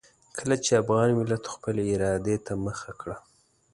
کله چې افغان ملت خپلې ارادې ته مخه کړه.